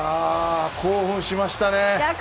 興奮しましたね。